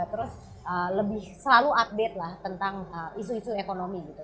terus lebih selalu update lah tentang isu isu ekonomi gitu